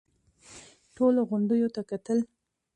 ټولو غونډيو ته کتل.